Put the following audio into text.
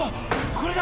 これだ！